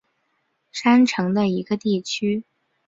三城的一个地区。